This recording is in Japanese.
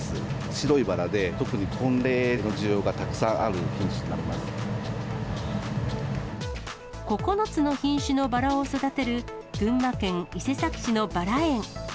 白いバラで、特に婚礼の需要がた９つの品種のバラを育てる、群馬県伊勢崎市のバラ園。